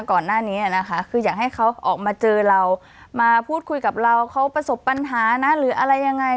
ก่อนหน้านี้นะคะคืออยากให้เขาออกมาเจอเรามาพูดคุยกับเราเขาประสบปัญหานะหรืออะไรยังไง